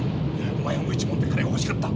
お前は無一文で金が欲しかった。